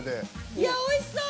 いやおいしそう！